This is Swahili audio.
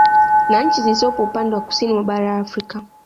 Na nchi zilizopo upande wa Kusini mwa bara la Afrika